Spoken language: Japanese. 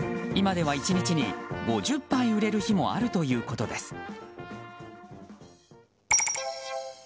今では１日に５０杯売れる日もあるということです。